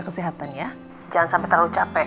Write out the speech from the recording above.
kesehatan ya jangan sampai terlalu capek